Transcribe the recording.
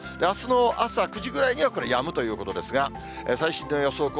あすの朝９時ぐらいにはこれ、やむということですが、最新の予想